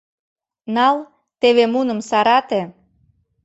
Нал, теве муным сарате.